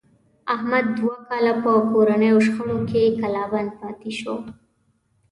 احمد دوه کاله په کورنیو شخړو کې کلا بند پاتې شو.